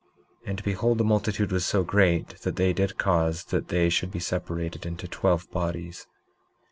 19:5 And behold, the multitude was so great that they did cause that they should be separated into twelve bodies.